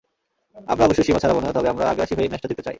আমরা অবশ্যই সীমা ছাড়াব না, তবে আমরা আগ্রাসী হয়েই ম্যাচটা জিততে চাই।